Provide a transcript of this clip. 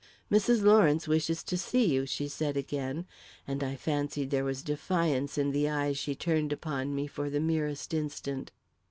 "Mrs. Lawrence wishes to see you," she said again, and I fancied there was defiance in the eyes she turned upon me for the merest instant.